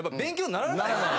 ならない。